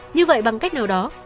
như vậy bằng cách nào đó